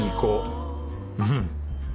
うん。